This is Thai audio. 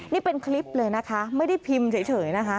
นี่เป็นคลิปเลยนะคะไม่ได้พิมพ์เฉยนะคะ